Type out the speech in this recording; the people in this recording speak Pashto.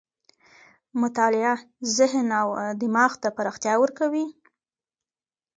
مطالعه ذهن او دماغ ته پراختیا ورکوي.